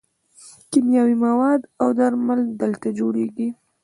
کیمیاوي مواد او درمل دلته جوړیږي.